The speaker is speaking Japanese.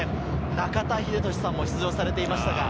中田英寿さんも出場されていました。